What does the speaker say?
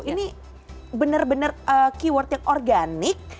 ini benar benar keyword yang organik